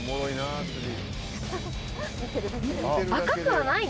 赤くはない。